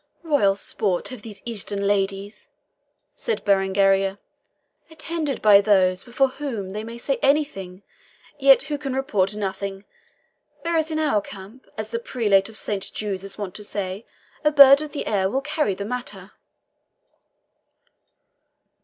"Royal sport have these Eastern ladies," said Berengaria, "attended by those before whom they may say anything, yet who can report nothing. Whereas in our camp, as the Prelate of Saint Jude's is wont to say, a bird of the air will carry the matter."